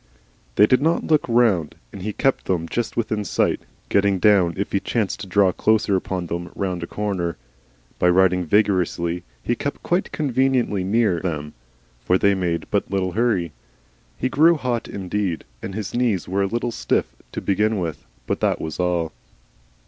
They did not look round, and he kept them just within sight, getting down if he chanced to draw closely upon them round a corner. By riding vigorously he kept quite conveniently near them, for they made but little hurry. He grew hot indeed, and his knees were a little stiff to begin with, but that was all.